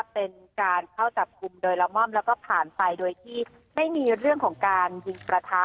เป็นการเข้าจับกลุ่มโดยละม่อมแล้วก็ผ่านไปโดยที่ไม่มีเรื่องของการยิงประทะ